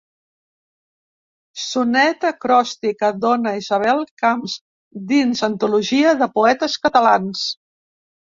Sonet acròstic a «Dona Isabel Camps» dins Antologia de poetes catalans.